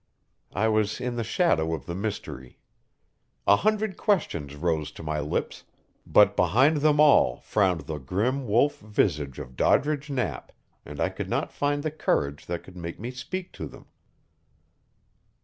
I was in the shadow of the mystery. A hundred questions rose to my lips; but behind them all frowned the grim wolf visage of Doddridge Knapp, and I could not find the courage that could make me speak to them.